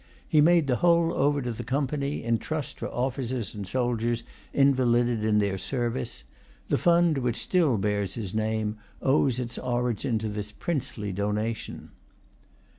He made the whole over to the Company, in trust for officers and soldiers invalided in their service. The fund which still bears his name owes its origin to this princely donation.